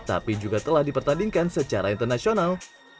tapi juga telah dipertandingkan secara internasional